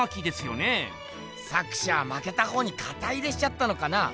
作者はまけたほうにかた入れしちゃったのかな？